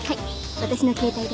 私の携帯です